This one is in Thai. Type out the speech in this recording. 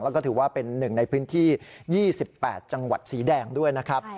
แล้วก็ถือว่าเป็นหนึ่งในพื้นที่๒๘จังหวัดสีแดงด้วยนะครับ